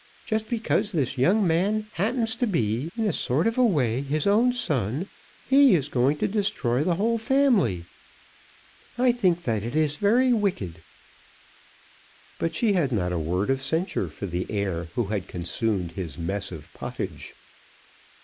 Just because this young man happens to be, in a sort of a way, his own son, he is going to destroy the whole family. I think that it is very wicked." But she had not a word of censure for the heir who had consumed his mess of pottage.